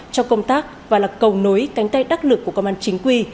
trong công tác và là cầu nối cánh tay đắc lực của công an chính quy